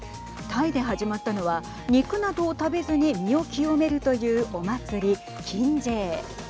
タイで始まったのは肉などを食べずに身を清めるというお祭りキンジェー。